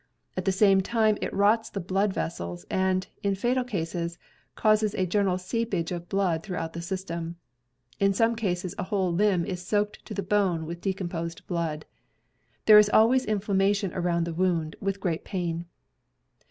At the same time it rots the blood vessels, and, in fatal cases, causes a general seepage of blood through out the system. In some cases a whole limb is soaked to the bone with decomposed blood. There is always inflammation around the wound, with great pain.